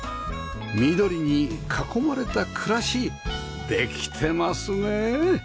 緑に囲まれた暮らしできてますね！